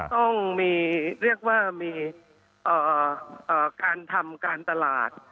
ต้องมีเรียกว่ามีการทำการตลาด